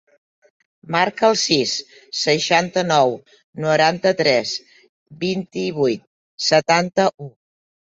Marca el sis, seixanta-nou, noranta-tres, vint-i-vuit, setanta-u.